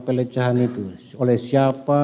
plecehan itu oleh siapa